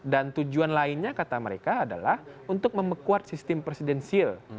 dan tujuan lainnya kata mereka adalah untuk memekuat sistem presidensil